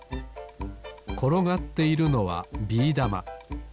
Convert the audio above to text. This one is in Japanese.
ころがっているのはビーだま。